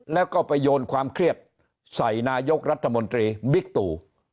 แล้วก็ไปโยนความเครียดใส่นายกรัฐมนตรีบิ๊กตู